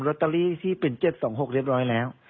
ตเตอรี่ที่เป็น๗๒๖เรียบร้อยแล้ว